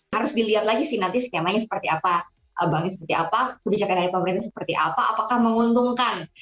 harus dilihat lagi sih nanti skemanya seperti apa banknya seperti apa kebijakan dari pemerintah seperti apa apakah menguntungkan